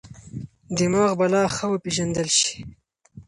دماغ به لا ښه وپېژندل شي.